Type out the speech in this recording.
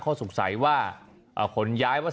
ขอบคุณครับ